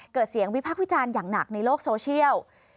เกิดเสียงวิพักษ์วิจารณ์อย่างหนักในโลกโซเชียล